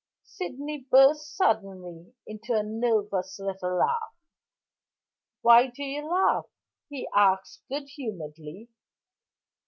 Sydney burst suddenly into a nervous little laugh. "Why do you laugh?" he asked good humoredly.